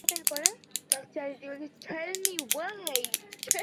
Protein তৈরির পদ্ধতি হয়েছে ভিন্ন।